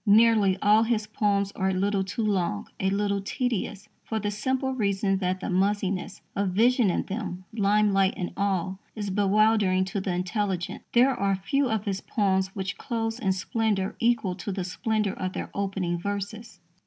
Nearly all his poems are a little too long, a little tedious, for the simple reason that the muzziness of vision in them, limelight and all, is bewildering to the intelligence. There are few of his poems which close in splendour equal to the splendour of their opening verses.